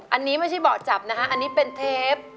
อันนี้ไม่ใช่เบาะจับนะฮะอันนี้เป็นเทป